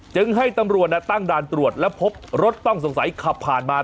จึงให้ตำรวจตั้งด่านตรวจแล้วพบรถต้องสงสัยขับผ่านมา